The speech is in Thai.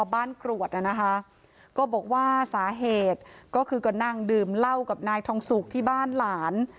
กรวดน่ะนะคะก็บอกว่าสาเหตุก็คือก็นั่งดื่มเหล้ากับนายทองสุกที่บ้านหลาน